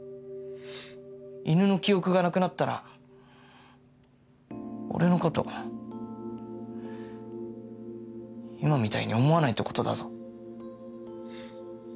犬の記憶がなくなったら俺のこと今みたいに思わないってことだぞ？